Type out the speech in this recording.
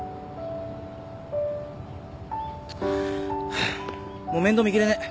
ハァもう面倒見きれねえ。